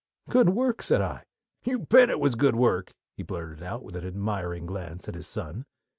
"Good work!" said I. "You bet it was good work!" he blurted out, with an admiring glance at his son.